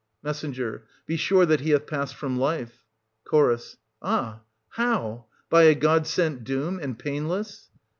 Me. Be sure that he hath passed from life. Ch. Ah, how ? by a god sent doom, and painless